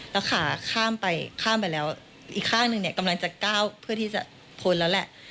แล้วขาข้ามไปข้ามไปแล้วอีกข้างหนึ่งเนี่ยกำลังจะก้าวเพื่อที่จะพ้นแล้วแหละ